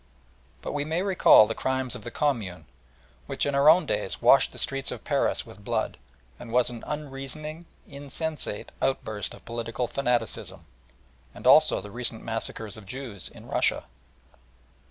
But we may recall the crimes of the Commune, which in our own days washed the streets of Paris with blood, and was an unreasoning, insensate outburst of political fanaticism, and also the recent massacres of Jews in Russia.